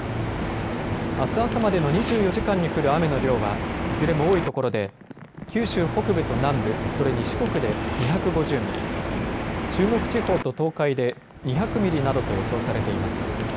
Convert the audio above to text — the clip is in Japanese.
あす朝までの２４時間に降る雨の量は、いずれも多いところで九州北部と南部、それに四国で２５０ミリ、中国地方と東海で２００ミリなどと予想されています。